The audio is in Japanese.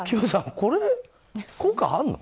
これ、効果あるの？